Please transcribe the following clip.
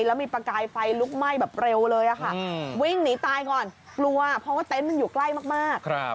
แล้วมีประกายไฟลุกไหม้แบบเร็วเลยค่ะวิ่งหนีตายก่อนกลัวเพราะว่าเต็นต์มันอยู่ใกล้มาก